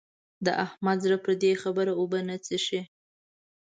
د احمد زړه پر دې خبره اوبه نه څښي.